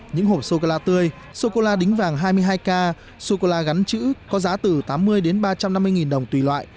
những hộp sô gala tươi sô cô la đính vàng hai mươi hai k sô cô la gắn chữ có giá từ tám mươi đến ba trăm năm mươi nghìn đồng tùy loại